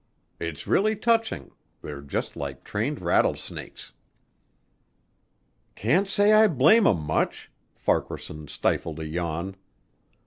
It's really touching they're just like trained rattle snakes." "Can't say I blame 'em much," Farquaharson stifled a yawn.